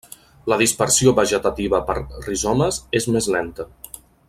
La dispersió vegetativa per rizomes és més lenta.